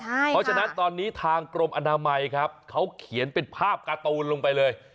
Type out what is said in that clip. เพราะฉะนั้นตอนนี้ทางกรมอนามัยครับเขาเขียนเป็นภาพการ์ตูนลงไปเลย